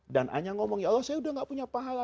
dan a nya ngomong ya allah saya udah gak punya pahala